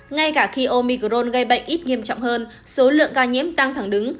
ngay cả khi omicron gây bệnh ít nghiêm trọng hơn số lượng ca nhiễm tăng thẳng đứng